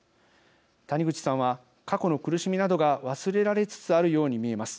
谷口さんは「過去の苦しみなどが忘れられつつあるように見えます。